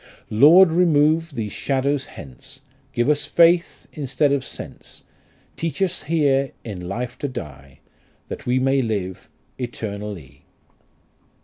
Lord, remove these shadows hence, Give us faith instead of sense ; Teach us here in life to die, . That we may live eternally.